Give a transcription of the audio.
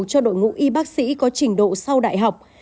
cho đội ngũ y bác sĩ có trình độ sau đại học